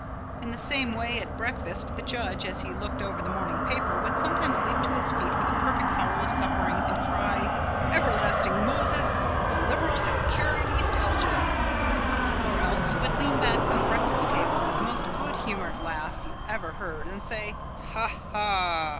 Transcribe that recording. In the same way at breakfast, the judge, as he looked over the morning paper, would sometimes leap to his feet with a perfect howl of suffering, and cry: "Everlasting Moses! the Liberals have carried East Elgin." Or else he would lean back from the breakfast table with the most good humoured laugh you ever heard and say: "Ha! ha!